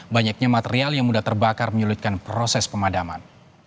banyaknya material yang mudah terbakar menyulitkan proses pemadaman